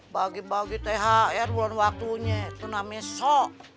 bagi thr bulan waktunya itu namanya sok